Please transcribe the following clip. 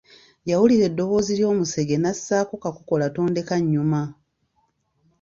Yawulira eddoboozi ly’omusege n’assaako kakokola tondekannyuma.